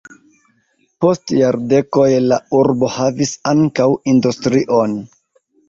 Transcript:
Post jardekoj la urbo havis ankaŭ industrion.